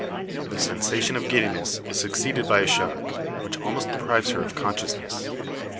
The sensation of giddiness is succeeded by a shock, which almost deprives her of consciousness.